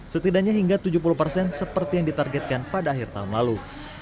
setidaknya hingga tujuh puluh persen seperti yang ditargetkan pada akhir tahun lalu